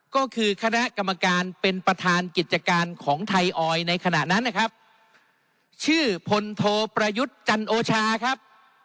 ก็คือคณะกรรมการเป็นประธานกิจการของไทยออยในขณะนั้นนะครับชื่อพลโทประยุทธ์จันโอชาครับ